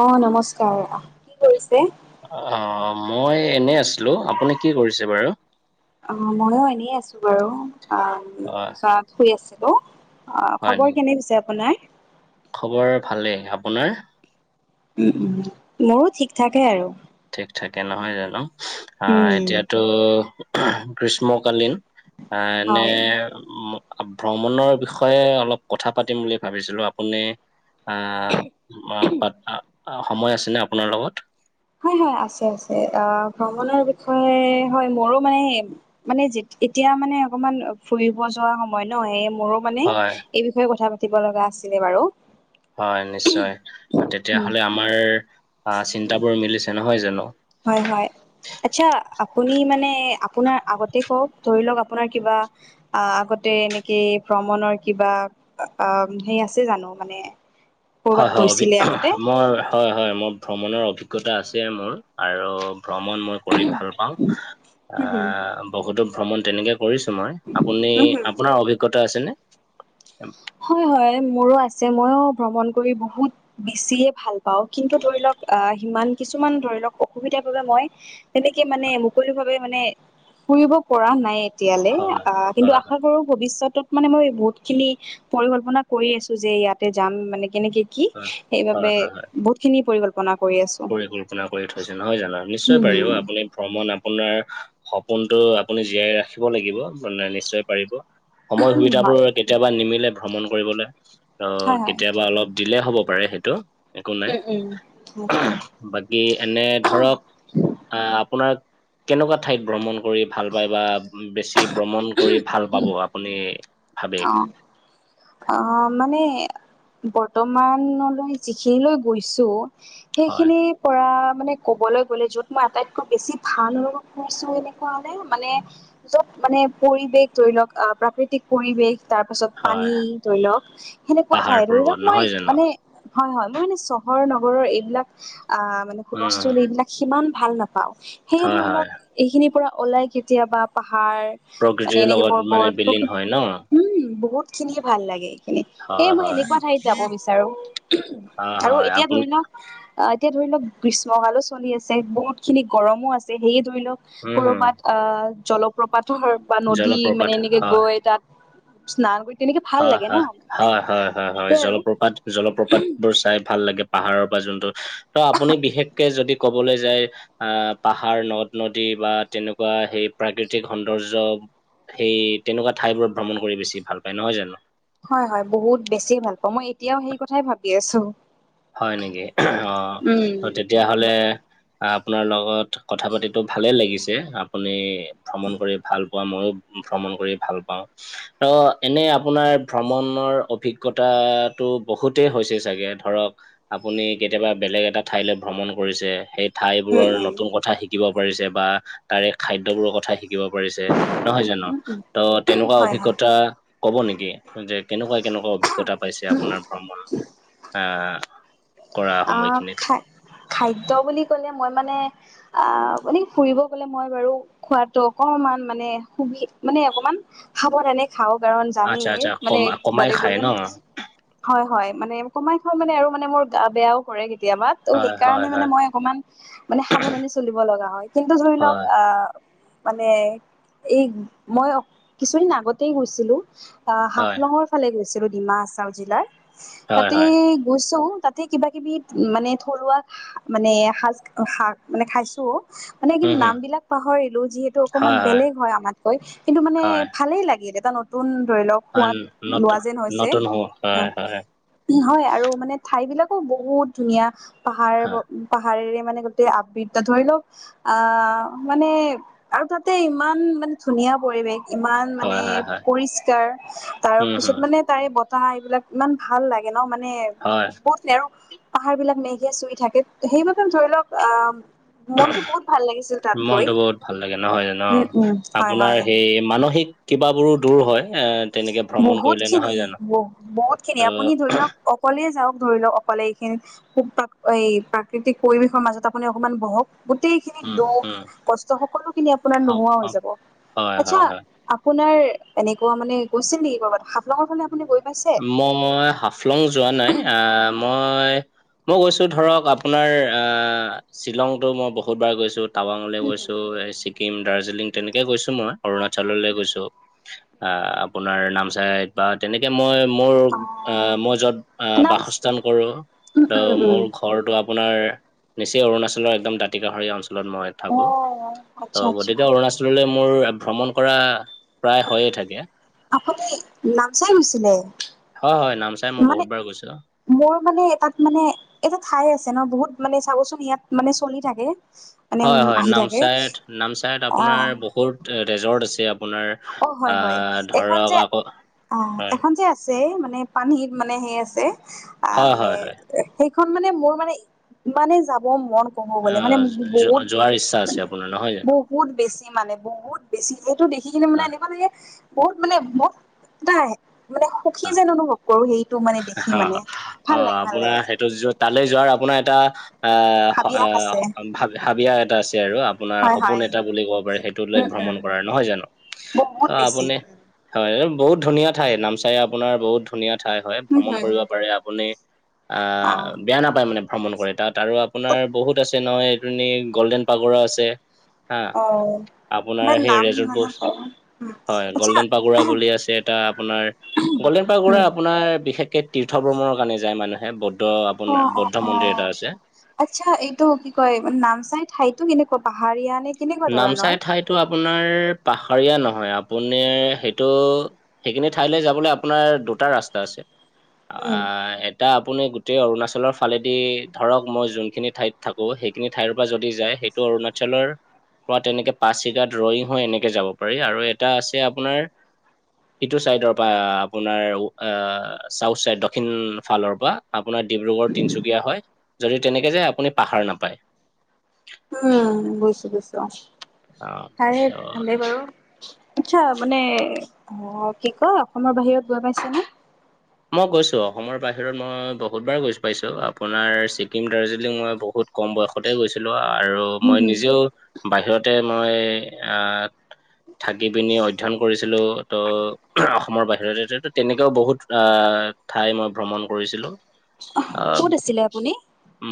অ', নমস্কাৰ, কি কৰিছে? অ', মই এনে আছিলো। আপুনি কি কৰিছে বাৰু? অ', ময়ো এনেই আছোঁ বাৰু। আহ অ'। শুই আছিলো, হয় খবৰ নেকি? কেনে পিছে আপোনাৰ? খবৰ ভালেই, আপোনাৰ? উম, উম, মোৰো ঠিক থাকে আৰু। ঠিক থাকে নহয় জানো, আহ উম এতিয়াতো গ্ৰীষ্মকালীন অহ এনে হয় [unintelligible] ভ্ৰমণৰ বিষয়ে অলপ কথা পাতিম বুলি ভাবিছিলো আপুনি আহ [unintelligible] সময় আছেনে আপোনাৰ লগত? হয় হয়, আছে আছে, অ', ভ্ৰমণৰ বিষয়ে হয় মোৰো মানে মানে এতিয়া মানে অকমান ফুৰিব যোৱা সময় ন সে মোৰো মানে হয়, এই বিষয়ে কথা পাতিব লগা আছিলে বাৰু। হয়, নিশ্চয় তেতিয়াহলে আমাৰ আহ, চিন্তাবোৰ মিলিছে নহয় জানো। হয় হয়। আচ্ছা, আপুনি মানে আপোনাৰ আগতে কওক ধৰি লওক আপোনাৰ কিবা অ', আগতে এনেেকি ভ্ৰমণৰ কিবা অ', সেই আছে জানো মানে কৰ'বাত হয়, হয় অভি গৈছিলে আগতে মই হয়, হয় মোৰ ভ্ৰমণৰ অভিজ্ঞতা আছে মোৰ আৰু ভ্ৰমণ মই কৰি ভাল পাওঁ হুম আহ, ভকতৱ ভ্ৰমণ তেনেকে কৰিছো মই আপুনি হুম আপোনাৰ অভিজ্ঞতা আছে নে? হয়, হয় মোৰো আছে মইো ভ্ৰমণ কৰি বহুত বেছিয়ে ভাল পাওঁ কিন্তু ধৰি লওক আহ সিমান কিছুমান ধৰি লওক অসুবিধাৰ বাবে মই তেনেকে মানে মুকলি ভাৱে মানে ফুৰিব পৰা নাই। তেতিয়ালে হয় অ', কিন্তু হয় আশা কৰো ভৱিষ্যৎতত মানে মই বহুত খিনি পৰিকল্পনা কৰি আছো যে ইয়াতে যাম মানে কেনেকে কি হয় হয় সেইবাবে হয় হয় বহুত খিনি পৰিকল্পনা কৰি আছো পৰিকল্পনা কৰি থৈছে নহয় জানো নিশ্চয় হম, পাৰিব হম। আপুনি ভ্ৰমণ আপোনাৰ সপোনতটো আপুনি জীয়াই ৰাখিব লাগিব মানে নিশ্চয় পাৰিব। সময় সুবিধাবোৰ হয় কেতিয়াবা নিমিলে ভ্ৰমণ কৰিবলৈ হয় আৰু হয় কেতিয়াবা অলপ দিলে হ'ব পাৰে সেইটো। একো নাই উম, উম সেইটোৱেই। বাকী এনে ধৰক আ, আপোনাৰ কেনেকুৱা ঠাইত ভ্ৰমণ কৰি ভাল পায় বা বেছি ভ্ৰমণ কৰি ভাল পাব আপুনি? ভাবে অ'। অ', মানে বৰ্তমানলৈ যিখিনিলৈ গৈছোঁ হয় সেইখিনিৰ পৰা মানে কবলৈ গ'লে য'ত মই আটাইতকৈ বেছি ভাল আৰু কৰিছো এনেকুৱা হলে মানে যত মানে পৰিৱেশ ধৰি লওক প্ৰাকৃতিক পৰিৱেশ, তাৰ পাছত পানী হয়। ধৰি লওক সেনেকুৱা পাহাৰ ঠাই ধৰি পৰ্বত লওক নহয় মই জানো মানে হয়, হয় মই মানে চহৰ নগৰৰ এইবিলাক আহ মানে উম হুলস্থুল এইবিলাক সিমান ভাল নাপাও, সেয়ে হয় ধৰি হয় লওক এইখিনিৰ পৰা ওলাই কেতিয়াবা পাহাৰ মানে প্ৰকৃতিৰ এনেকে লগত পৰ্বত মানে প্ৰকৃতি বিলীন হয় ন? উম, বহুত খিনিয়ে ভাল লাগে। এই হয় মই হয় এনেকুৱা ঠাইত যাব বিচাৰোঁ হয় আৰু হয় এতিয়া আপুনি ধৰি লও অ', এতিয়া ধৰি লওক গ্ৰীষ্মকালো চলি আছে বহুত খিনি গৰমো আছে সেয়ে ধৰি লওক উম হম কৰ'বাত অ', জলপ্ৰপাতৰ বা নদী মানে জলপ্ৰপাত এনেকে গৈ তাত স্নান কৰি তেনেকে ভাল হ-হয়, লাগে ন হয়, হয়, হয়, হয় সেইটোৱে আৰু জলপ্ৰপাত জলপ্ৰপাত বোৰ চাই ভাল লাগে। পাহাৰৰ পৰা যোনটো ত আপুনি বিশেষকে যদি কবলৈ যায় অ', পাহাৰ নদ-নদী বা তেনেকুৱা সেই প্ৰাকৃতিক সৌন্দৰ্য। সেই তেনেকুৱা ঠাই বোৰত ভ্ৰমণ কৰি বেছি ভাল পায় নহয় জানো? হয়, হয় বহুত বেছি ভাল পাওঁ মই এতিয়াও সেই কথাই ভাবি আছো। হয় নেকি অ', উম তেতিয়াাহলে অ', আপোনাৰ লগত কথা পাতিতো ভালে লাগিছে, আপুনি ভ্ৰমণ কৰি ভাল পোৱা, মইও ভ্ৰমণ কৰি ভাল পাওঁ। ত এনে আপোনাৰ ভ্ৰমণৰ অভিজ্ঞতাটো বহুতেই হৈছে চাগে ধৰক আপুনি কেতিয়াবা বেলেগ এটা ঠাইলৈ ভ্ৰমণ কৰিছে সেই ঠাই উম বোৰৰ উম নতুন কথা শিক শিকিব পাৰিছে বা তাৰে খাদ্যবোৰৰ কথা শিক শিকিব পাৰিছে নহয় জানো উম উম ত তেনেকুৱা হয় হয় অভিজ্ঞতা কব নেকি যে কেনেকুৱা কেনেকুৱা অভিজ্ঞতা পাইছে আপোনাৰ ভ্ৰমণ আহ কৰা আ সময়খিনিত খা খাদ্য বুলি ক'লে মই মানে আ মানে ফুৰিব গলে মই বাৰু খোৱাতো অকণমান মানে সুবি মানে অকমান খাব কাৰনে খাওঁ কাৰণ আচ্ছা জানেই আচ্ছা মানে কম কমাই তাতে খায় ন গলেম হয় হয় মানে কমাই খাওঁ মানে আৰু মানে মোৰ গা বেয়াও কৰে কেতিয়াবা। ত হয় হয় সেইকাৰণে মানে হয় মই অকমান মানে সাৱধানী চলিব লগা হয় কিন্তু ধৰি লওক হয় আহ মানে এই মই কিছুদিন আগতেই গৈছিলো আ হয় হাফলঙৰ ফালে গৈছিলো ডিমা আাছাও জিলাৰ হয় তাতে হয় গৈছো তা তে কিবা কিবি মানে থলুৱা মানে সাজ শাক মানে খাইছো। মানে কিন উম হম নামবিলাক পাহৰিলো যিহেতু অকনমান বেলেগ হয় আমাতকৈ। কিন্তু মানে হয় ভালেই লাগিল এটা নতুন ধৰি লওক হয় সোৱাদ নত লোৱা যেন হৈছে নতুন হ'ব হয় আহ হয় উ হয় আৰু মানে ঠাইবিলাকো বহুত ধুনীয়া পাহাৰ হয় প পাহাৰেৰে মানে গোটেই আবৃদ্ধ ধৰি লওক আ মানে আৰু তাতে ইমান মানে ধুনীয়া পৰিৱেশ ইমান মানে হয় হয় হয় পৰিষ্কাৰ তাৰ উম পিছত হম মানে তাৰে এই বতাহ এইবিলাক ইমান ভাল লাগে ন মানে হয় বত আৰু পাহাৰবিলাক মেঘে চুই থাকে সেইবাবে ধৰি লওক আহ মনটো বহুত ভাল লাগিছিল তাত গৈ, মনটো বহুত ভাল লাগে নহয় জানো অ উম উম হয় আপোনাৰ হয়। সেই মানসিক কিবাবোৰো দূৰ হয়। এ তেনেকে ভ্ৰমণ কৰিলে বহুতখিনি নহয় জানো ব বহুতখিনি ত আপুনি ধৰি লওক অ কলে যাওক ধৰি লওক অকলে এইখিনি খুব তাত এই প্ৰাকৃতিক পৰিৱেশৰ মাজত আপুনি অকমান বহক গোটেইখিনি উম দুখ, উম কষ্ট সকলোখিনি আপোনাৰ হ- নোহোৱা হৈ হ- যাব হয় আচ্ছা হয় হয় আপ পোনাৰ এনেকুৱা মানে গৈছে নেকি ক'বাত হাফলঙৰ ফালে আপুনি গৈ পাইছে মই মই হাফলং যোৱা নাই আহ মই, মই গৈছোঁ ধৰক আপোনাৰ আহ শ্বিলংটো মই বহুতবাৰ গৈছোঁ। টাৱাংলৈ গৈছো এই ছিকিম, দাৰ্জিলিং তেনেকেই গৈছো মই অৰুণাচললৈ গৈছো। আ আপোনাৰ নামচাইত বা তেনে মই মোৰ অ আ মই যত আ নাম বাসস্থান কৰো, উম ত উম উম মোৰ ঘ ঘৰটো আপোনাৰ নিচেই অৰুণাচলৰ একদম দাঁতিকাষৰীয়া অঞ্চলত মই। অ থাকো, আচ্ছা ত' আচ্ছা গতিকে অৰুণাচললৈ মোৰ ভ্ৰমণ কৰা প্ৰায় হয়ে থাকে। আপুনি নামচাই গৈছিলে? হয় হয়, নামচাই মই মানে বহুত বাৰ গৈছো। মোৰ মানে তাত মানে এটা ঠাই আছে ন বহুত মানে চাবচোন ইয়াত মানে চলি থাকে। মানে হয় উম হয় আহি থাকে নামচাইত, নামচাইত আহ আপোনাৰ বহুত ৰেজৰ্ট আছে আপোনাৰ। অ হয় হয়, আহ এখন ধৰক যে আকৌ অ হয় এখন যে আছে মানে পানীত মানে সেই আছে আ হয় মানে হয় হয় এ সেইখন মানে মোৰ মানে ইমানে যাব মন কব অ গলে মানে মো মোক যোৱাৰ ইচ্ছা বহুত আছে মানে আপোনাৰ নহয় জানো বহ বহুত বেছি মানে বহুত বেছি এইটো দি খিকিনে মানে হয় এনেকুৱা লাগে বহুত মানে ব এটা আহে মানে সুখী হয় যেন অনুভৱ কৰো সেইটো মানে হা দেখি মানে অ ভাল লাগে ভাল আপোনাৰ লাগে। সেইটো যো- তালৈ যোৱাৰ আপোনাৰ এটা আহ হাবিয়াস আহ আছে ভা হাবিয়াস এটা আছে আৰু আপোনাৰ হয় সপোন হয় এটা বুলি ক'ব পাৰে সেই টোলে উম ভ্ৰমণ উম কৰা নহয় জানো বহুত অ বেছি আপুনি হয় বহুত ধুনীয়া ঠাই নামচাই আপোনাৰ বহুত ধুনীয়া ঠাই হয় ভ্ৰমণ কৰিব পাৰে আপুনি অ আহ বেয়া নাপায় মানে ভ্ৰমণ কৰে তাত আৰু আপোনাৰ বহুত আছে নহয় এইটো গ'ল্ডেন পাগৰা আছে হা অ আপোনাৰ মই সেই নাম শুনা নাই ৰেজৰ্টবোৰ বাৰু উম হয় আচ্ছা গল্ডেন পাগুৰা বুলি আছে এটা আপোনাৰ গল্ডেন হুম। পাগুৰা আপোনাৰ বিশেষকে তীৰ্থ ভ্ৰমণৰ কাৰণে যায় মানুহে ব ত অ আপোনাৰ অ বদ্ধ অ মন্দিৰ এটা আছে আচ্ছা এইটো কি কয় নামচাই ঠাইতো কেনেকুৱা পাহাৰীয়া নে কেনেকুৱা ধৰণৰ নামচাই ঠাইতো আপোনাৰ পাহাৰীয়া নহয় আপুনি সেইটো সেইখিনি ঠাইলৈ যাবলে আপোনাৰ দুটা ৰাস্তা আছে উম এতিয়া আপুনি গোটেই অৰুণাচলৰ ফালেদি ধৰক মই যোনখিনি ঠাইত থাকো থাকো সেইখিনি ঠাইৰ পৰা যদি যায় সেইটো অৰুণাচলৰ পৰা তেনেকে পাচিঘাট ৰয়িং হৈ এনেকে যাব পাৰি আৰু এটা আছে আপোনাৰ ইটো চাইডৰ পৰা আপোনাৰ আ চাউথ চাইড দক্ষিণ ফালৰ পৰা আপোনাৰ ডিব্ৰুগড় তিনিচুকীয়া হৈ যদি তেনেকে যায় আপুনি পাহাৰ নাপায় উম বুজিছো বুজিছো অ অ তাৰে অ ভালেই বাৰু আচ্ছা মানে অ কি কয় অসমৰ বাহিৰত গৈ পাইছা নে মই গৈছোঁ অসমৰ বাহিৰত মই বহুতবাৰ গৈছো পাইছোঁ আপোনাৰ ছিকিম দাৰ্জিলিং মই বহুত কম বয়সতে গৈছিলো আৰু হুম, মই হুম। নিজেও বাহিৰতে মই আহ থাকি পিনি অধ্যয়ন কৰিছো আছিলো ত অসমৰ বাহিৰতে ত তেনেকাও বহুত তাৰ ঠাই মই ভ্ৰমণ কৰিছিলো আহ ক'ত আছিলে আপুনি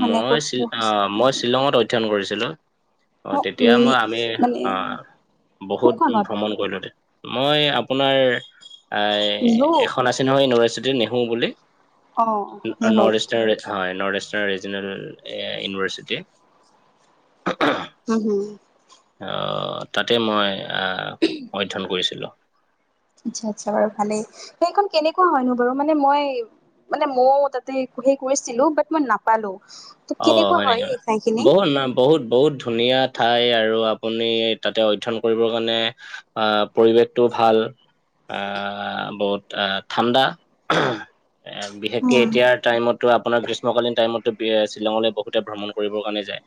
মানে ক'ত মই আ পঢ়িছে মই শ্বিলঙত অধ্যয়ন কৰিছিলো অ তেতিয়া নি মই আমি মানে অ বহুত কোনখনত ভ্ৰমণ কৰিলো মই আপোনাৰ এই নিহু এখন আছে নহয় ইউনিভাৰ্চিটি নেহু বুলি অ নৰ্থ নিহুত ইষ্টাৰ হয় নৰ্থ ইষ্টাৰ্ণ ৰিজনেল ইউনিভাৰ্চিটি ঊম উম উম হুম অ তাতে মই আ অধ্যয়ন কৰিছিলোঁ আচ্ছা আচ্ছা বাৰু ভালেই সেইখন কেনেকুৱা হয়নো বাৰু মানে মই মানে মইও তাতে সেই গৈছিলো বাত মই নাপালো ত অ কেনেকুৱা হয় নেকি এই ঠাইখিনি বহুত নাম বহুত বহুত ধুনীয়া ঠাই আৰু আপুনি তাতে অধ্যয়ন কৰিবৰ কাৰণে আহ পৰিৱেশটো ভাল আহ বহুত আহ ঠাণ্ডা এ বিশেষকে উম এতিয়া টাইমতো আপোনাৰ গ্ৰীষ্মকালীন টাইমতো শ্বিলঙলৈ বহুতে ভ্ৰমণ কৰিবৰ কাৰণে যায়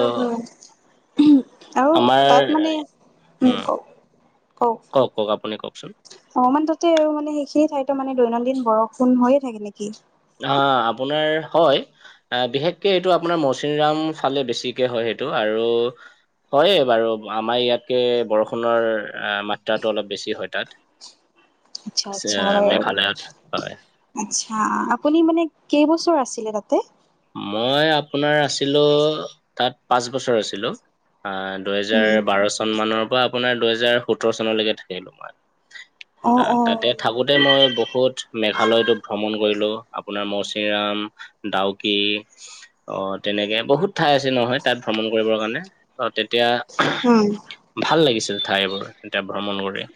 উম হুম উম আৰু আমাৰ তাত মানে উম কওক কওক কওক কওক আপুনি কওকচোন অ মানে তাতে আৰু মানে সেইখিনি ঠাইতে মানে দৈনন্দিন বৰষুণ হৈয়ে থাকে নেকি অ আপোনাৰ হয় আহ বিশেষকে এইটো আপোনাৰ মৌচিনৰাম ফালে বেছিকে হয় সেইটো আৰু হয় বাৰু আমাৰ ইয়াতকে বৰষুণৰ মাত্ৰাটো অলপ বেছি হয় তাত [unintelligible] আচ্ছা আচ্ছাৰ মেঘালয়ত হয়। আচ্ছা আপুনি মানে কেইবছৰ আছিলে তাতে মই আপোনাৰ আছিলো তাত পাঁচ বছৰ আছিলো আন দুহেজাৰ উম বাৰ চন মানৰ পৰা আপোনাৰ দুহেজাৰ সোতৰ চনলৈকে থাকিলো মই অ তাত অ তাতে থাকোতে মই বহুত মেঘালয়তো ভ্ৰমণ কৰিলো আপোনাৰ মচিৰাম, ডাউক কি অ তেনেকে বহুত ঠাই আছে নহয় তাত ভ্ৰমণ কৰিবৰ কাৰণে অ তেতিয়া উম ভাল লাগিছিল ঠাইবোৰ এতিয়া ভ্ৰমণ কৰি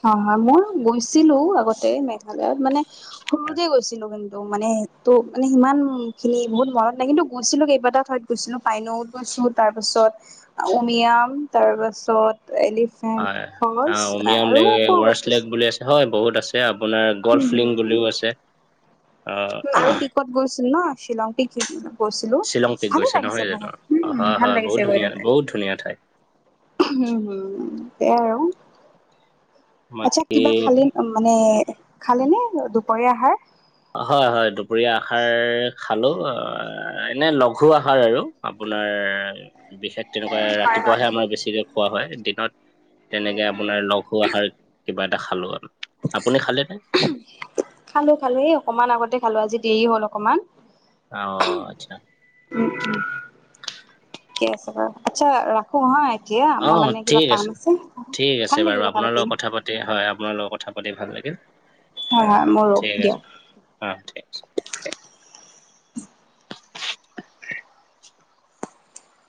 হয় হয় মইও গৈছিলো আগতে মেঘালয়ত মানে সৰুতে গৈছিলো কিন্তু মানে ত' মানে সিমান খিনি বহুত মোৰ মনত নাই কিন্তু গৈছিলো কেইবাটা ঠাইত গৈছিলো পাইনত গৈছো তাৰপাছত উমিয়াম তাৰ পাছত এলিফেন্ট হয় ফলছ আহ উমিয়াম ৱাৰছ লেগ বুলি আছে হয় বহুত আছে আপোনাৰ গল্ফিং বুলিও আছে অ আৰু পিকত গৈছিল ন শ্বিলং পিক গৈছিলো শ্বিলং পিক ভালেই গৈছে নহয় লাগিছে জানো? বহুত উম হয় ভাল হয় বহুত লাগিছে গৈ ধুনীয়া তাতে বহুত ধুনীয়া ঠাই। তে' আৰু মই আচ্ছা কিবা খালি উম মানে, খালেনে দুপৰীয়া আহাৰ? অ', হয় হয়। দুপৰীয়া আহাৰ খালোঁ আ', এনে লঘু আহাৰ আৰু আপোনাৰ বিশেষ তেনেকুৱাই হয় হয় ৰাতিপুৱাহে আমাৰ বেছিকে খোৱা হয়। দিনত, তেনেকে আপোনাৰ লঘু আহাৰ কিবা এটা খালোঁ আৰু। আপুনি খালে নে? খালোঁ খালোঁ, এই অকমান আগতে খালোঁ। আজি দেৰি হ'ল অকমান। আ অ', আচ্ছা। উম উম, ঠিকে আছে বাৰু আচ্ছা ৰাখ থওঁ হা এতিয়া, মোৰ অ' মানে কিবা ঠিক কাম আছে। ভাল লাগিল কথা পাতি। তে হয়, আপোনাৰ লগত কথা পাতি ভাল লাগিল। হয়, মোৰো দিয়ক অহ, ঠিক আছে।